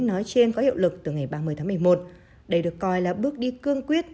nói trên có hiệu lực từ ngày ba mươi tháng một mươi một đây được coi là bước đi cương quyết